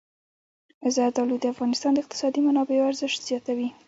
زردالو د افغانستان د اقتصادي منابعو ارزښت زیاتوي.